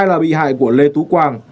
ai là bị hại của lê tú quang